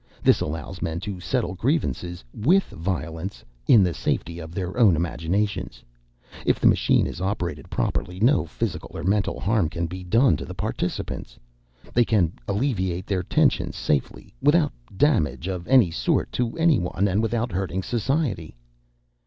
This allows men to settle grievances with violence—in the safety of their own imaginations. If the machine is operated properly, no physical or mental harm can be done to the participants. They can alleviate their tensions safely—without damage of any sort to anyone, and without hurting society.